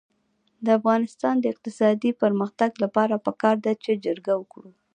د افغانستان د اقتصادي پرمختګ لپاره پکار ده چې جرګه وکړو.